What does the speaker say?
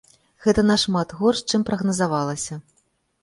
Гэта нашмат горш, чым прагназавалася.